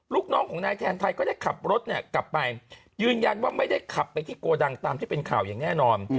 ลูกน้องของนายแทนไทยก็ได้ขับรถเนี่ยกลับไปยืนยันว่าไม่ได้ขับไปที่โกดังตามที่เป็นข่าวอย่างแน่นอน